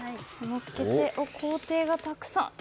工程がたくさん。